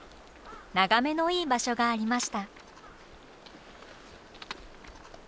眺めのいい場所がありました。